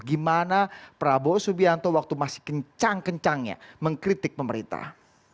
gimana prabowo subianto waktu masih kencang kencangnya mengkritik pemerintah